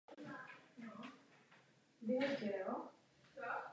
Náčelník Generálního štábu je jmenován prezidentem a je odpovědný premiérovi.